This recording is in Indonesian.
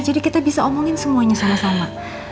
jadi kita bisa omongin semuanya sama sama